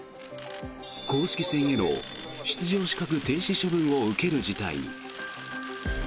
公式戦への出場資格停止処分を受ける事態に。